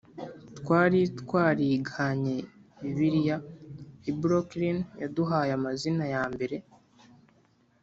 twari twariganye Bibiliya i Brooklyn baduhaye amazina yambere